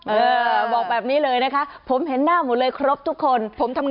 เออบอกแบบนี้เลยนะคะผมเห็นหน้าหมู่เลยครบทุกคน